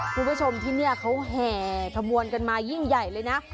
คุณผู้ชมที่นี่เขาแห่ขบวนกันมายิ่งใหญ่เลยนะ